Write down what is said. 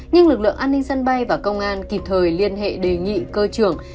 nhưng lực lượng an ninh sân bay và công an kịp thời liên hệ đề nghị cơ trưởng